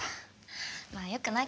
まあよくないか。